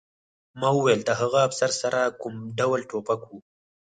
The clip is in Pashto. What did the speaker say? ما وویل د هغه افسر سره کوم ډول ټوپک و